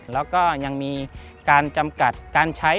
แล้วก็ยังมีการจำกัดการใช้